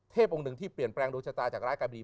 องค์หนึ่งที่เปลี่ยนแปลงดวงชะตาจากร้ายกาบี